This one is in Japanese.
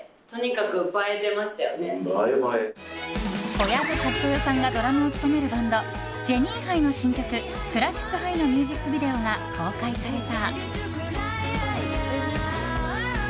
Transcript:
小籔千豊さんがドラムを務めるバンドジェニーハイの新曲「クラシックハイ」のミュージックビデオが公開された。